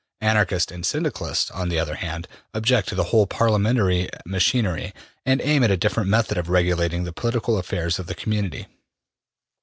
Anarchists and Syndicalists, on the other hand, object to the whole parliamentary machinery, and aim at a different method of regulating the political affairs of the community.